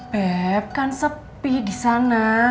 beb kan sepi disana